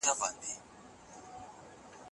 په قدم وهلو کې د چا لاره نه ډب کېږي.